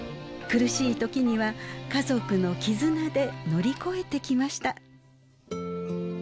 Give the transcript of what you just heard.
苦しい時には家族の絆で乗り越えてきました。